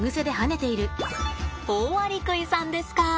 オオアリクイさんですか。